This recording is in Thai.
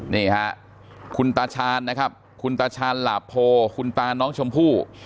นี่ค่ะคุณตาชาญนะครับคุณตาชาญหลาโพคุณตาน้องชมพู่